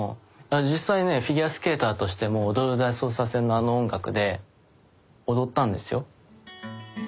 実際ねフィギュアスケーターとしても「踊る大捜査線」のあの音楽で踊ったんですよ。